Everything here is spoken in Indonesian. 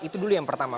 itu dulu yang pertama